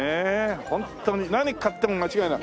ホントに何買っても間違いない。